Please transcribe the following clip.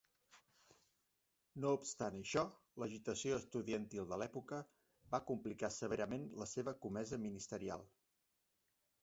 No obstant això l'agitació estudiantil de l'època, va complicar severament la seva comesa ministerial.